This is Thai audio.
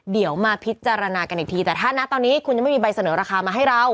เดี๋ยวมาพิจารณากันอีกทีแต่ถ้านะตอนนี้คุณยังไม่มีใบเสนอราคามาให้เรา